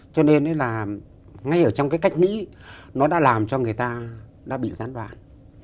cho nên là ngay ở trong cái cách nghĩ nó đã làm cho người ta đã bị gián vạn